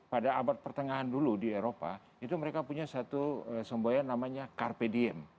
pada abad pertengahan dulu di eropa itu mereka punya satu semboyan namanya carpedium